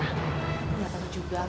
aku nggak tahu juga